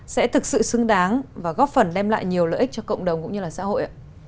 sẽ thực sự xứng đáng và góp phần đem lại nhiều lợi ích cho cộng đồng cũng như là xã hội